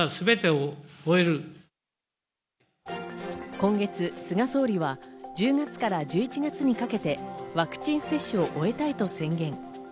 今月、菅総理は１０月から１１月にかけてワクチン接種を終えたいと宣言。